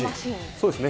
そうですね。